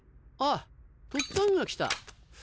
あっとっつぁんが来た。